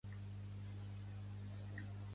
Quines parades fa l'autobús que va a Fanzara?